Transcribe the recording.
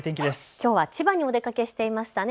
きょうは千葉にお出かけしていましたね。